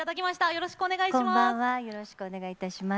よろしくお願いします。